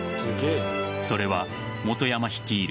それは本山率いる